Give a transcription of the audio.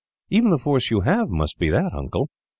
"Even the force you have must be that, Uncle."